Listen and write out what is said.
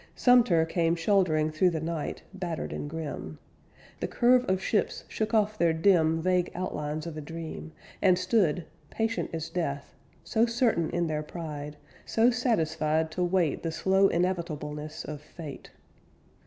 Sumter came shouldering through the night, Battered and grim. The curve of ships shook off their dim Vague outlines of a dream; And stood, patient as death, So certain in their pride, So satisfied To wait The slow inevitableness of Fate.